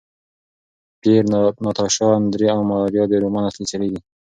پییر، ناتاشا، اندرې او ماریا د رومان اصلي څېرې دي.